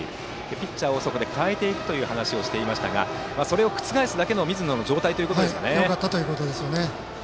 ピッチャーをそこで代えていくという話をしていましたがそれを覆すだけのよかったということですね。